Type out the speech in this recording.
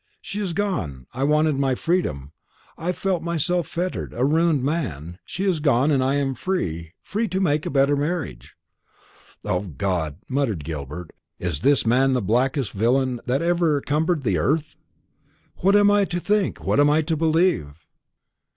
She is gone I wanted my freedom; I felt myself fettered, a ruined man. She is gone; and I am free, free to make a better marriage." "O God!" muttered Gilbert, "is this man the blackest villain that ever cumbered the earth? What am I to think, what am I to believe?"